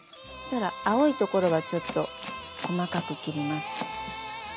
青いところはちょっと細かく切ります。